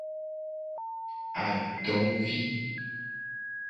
Adovi.